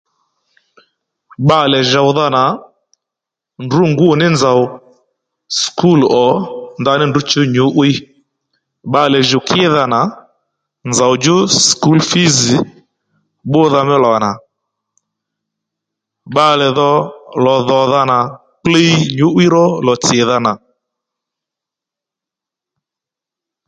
Bbalè jòwdha nà ndrǔ ngǔ ní nzòw sùkúl ò ndaní ndrǔ chǔw nyǔ'wiy bbalè jùw kídha nà nzòw djú sùkúl fǐz bbúdha mí lò nà bbalè dho lò dhòdha nà kpliy nyǔ'wiy ró lò tsìdha nà